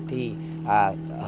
thì hồi đó